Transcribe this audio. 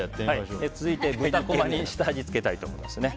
続いて、豚こまに下味をつけたいと思います。